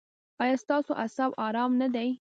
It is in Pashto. ایا ستاسو اعصاب ارام نه دي؟